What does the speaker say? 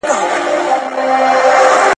که تمرین روان و نو وینا نه ګډوډه کيږي.